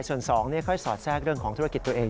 ส่วน๒ค่อยสอดแทรกเรื่องของธุรกิจตัวเอง